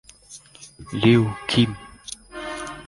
Lil’ Kim